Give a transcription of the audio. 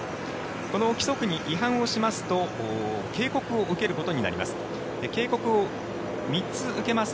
この規則に違反をしますと警告を受けることになります。